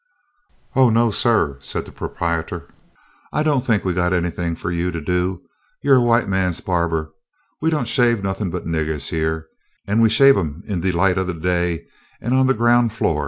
"Oh, no, suh," said the proprietor, "I don't think we got anything fu' you to do; you 're a white man's bahbah. We don't shave nothin' but niggahs hyeah, an' we shave 'em in de light o' day an' on de groun' flo'."